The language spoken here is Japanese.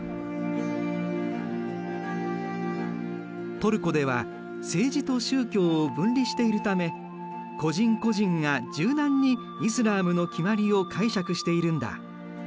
トルコでは政治と宗教を分離しているため個人個人が柔軟にイスラームの決まりを解釈しているんだ。